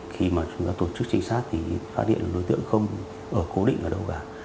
khi mà chúng ta tổ chức trinh sát thì phát hiện đối tượng không ở cố định ở đâu cả